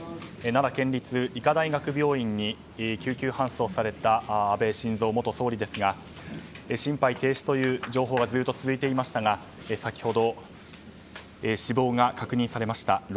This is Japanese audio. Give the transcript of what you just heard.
奈良県立医科大学附属病院に救急搬送された安倍晋三元総理ですが心肺停止という情報がずっと続いていましたが先ほど死亡が確認されました。